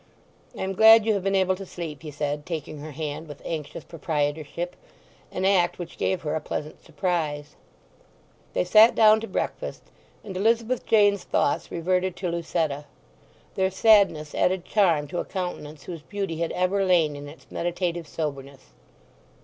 "I am glad you have been able to sleep," he said, taking her hand with anxious proprietorship—an act which gave her a pleasant surprise. They sat down to breakfast, and Elizabeth Jane's thoughts reverted to Lucetta. Their sadness added charm to a countenance whose beauty had ever lain in its meditative soberness.